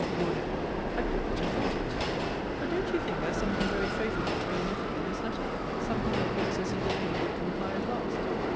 Lord M. I could not have thought it. But don't you think there is something very favourable to my nephew in this letter something that looks as if the lady would comply at last?